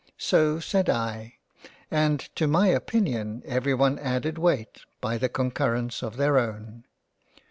So said I, and to my opinion everyone added weight by the concurrence of their own.